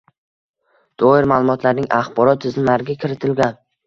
doir ma’lumotlarning axborot tizimlariga kiritilgan;